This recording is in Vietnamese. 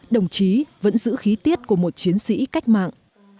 đồng chí vẫn giữ khí tiết của một chiến sĩ cách mạng